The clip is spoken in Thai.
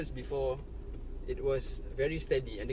เพื่อให้ปิ๊ง